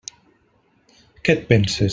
Què et penses?